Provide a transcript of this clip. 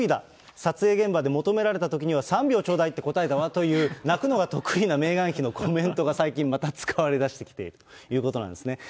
撮影現場で求められたときには、３秒頂戴って答えたわっていう、泣くのが得意なメーガン妃のコメントが最近また、使われだしてきているということなんですね。